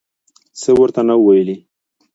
څه ورته ونه ویل.